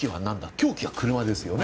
凶器は車ですよね。